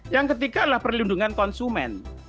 yang ketiga adalah perlindungan konsumen